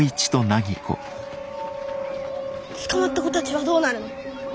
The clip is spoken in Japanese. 捕まった子たちはどうなるの？